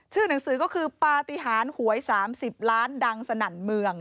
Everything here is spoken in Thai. หนังสือก็คือปฏิหารหวย๓๐ล้านดังสนั่นเมือง